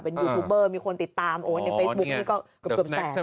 ยูทูบเบอร์มีคนติดตามโอ้ในเฟซบุ๊กนี่ก็เกือบแสน